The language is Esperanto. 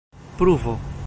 pruvo